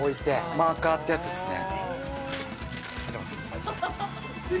マーカーってやつですね。